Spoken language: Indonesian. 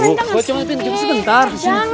gue cuma pinjam sebentar